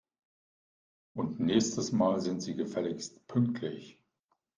Und nächstes Mal sind Sie gefälligst pünktlich